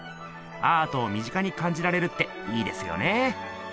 アートを身近にかんじられるっていいですよね。